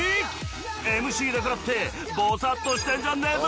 ＭＣだからってボサッとしてんじゃねえぞ！